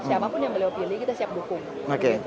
siapapun yang beliau pilih kita siap dukung